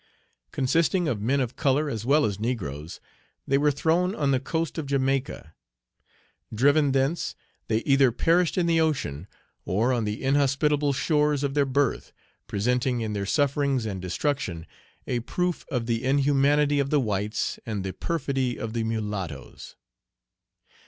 Consisting of men of color as well as negroes, they were thrown on the coast of Jamaica. Driven thence, they either perished in the ocean or on the inhospitable shores of their birth, presenting in their sufferings and destruction a proof of the inhumanity of the whites and the perfidy of the mulattoes.